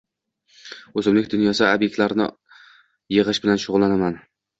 O‘simlik dunyosi ob’ektlarini yig‘ish bilan shug'ullanaman.